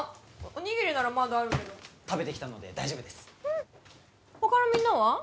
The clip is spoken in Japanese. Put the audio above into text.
おにぎりならまだあるけど食べてきたので大丈夫です他のみんなは？